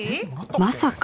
まさか？